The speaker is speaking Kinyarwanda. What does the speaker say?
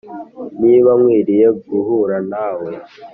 niba nkwiye guhura nawe